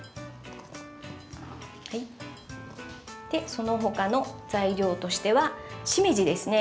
その他の材料としてはしめじですね。